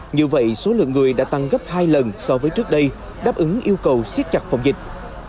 như vậy số lượng người đã tăng gấp hai lần so với trước đây đáp ứng yêu cầu siết chặt phòng dịch